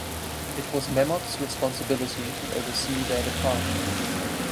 It was Memmott’s responsibility to oversee their departure.